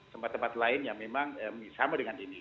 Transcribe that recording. tempat tempat lain yang memang sama dengan ini